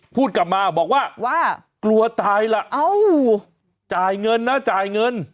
พูดกลับมาบอกว่าว่ากลัวตายล่ะจ่ายเงินนะจ่ายเงิน